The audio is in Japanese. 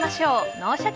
「脳シャキ！